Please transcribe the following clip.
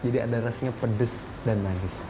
jadi ada rasanya pedas dan manis